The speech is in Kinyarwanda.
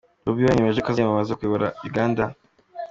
Bobi Wine yemeje ko aziyamamariza kuyobora Uganda.